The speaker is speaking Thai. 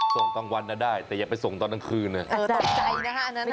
ส่งตั้งวันก็ได้แต่อย่าไปส่งตั้งคืน